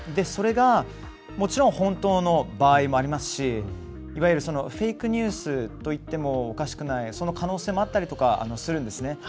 それが、もちろん本当の場合もありますしいわゆるフェイクニュースといってもおかしくない、その可能性もあったりとかするんですね。